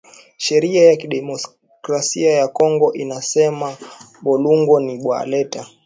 Sheria ya ki democracia ya kongo inasema bulongo ni bwa leta